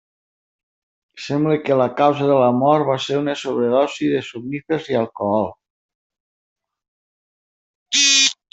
Sembla que la causa de la mort va ser una sobredosi de somnífers i alcohol.